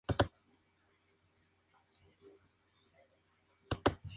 Fue la única mujer que la Familia Real reconoció como esposa del príncipe.